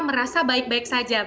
merasa baik baik saja